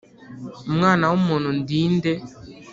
Umwana w umuntu ndi nde